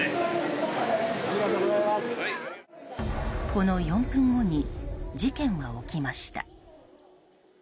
この４分後に事件は起きました。